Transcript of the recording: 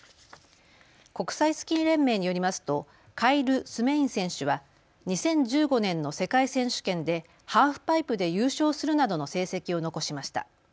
国際スキー連盟によりますとカイル・スメイン選手は２０１５年の世界選手権でハーフパイプで優勝するなどの成績を残しました。